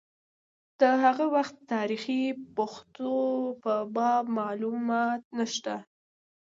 د هغه وخت تاریخي پېښو په باب معلومات نشته.